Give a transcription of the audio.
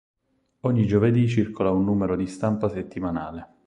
Ogni giovedì circola un numero di stampa settimanale.